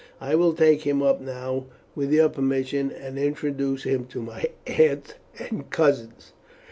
I will take him up now, with your permission, and introduce him to my aunt and cousins."